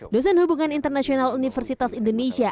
dosen hubungan internasional universitas indonesia